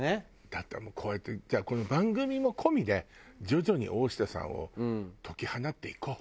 だってもうこうやってじゃあこの番組も込みで徐々に大下さんを解き放っていこう。